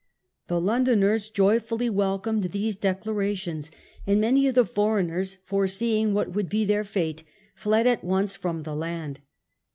The Londoners joyfully welcomed these declarations, and many of the foreigners, foreseeing what would be their fate, fled at once from the land.